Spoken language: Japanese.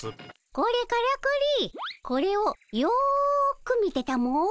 これからくりこれをよく見てたも。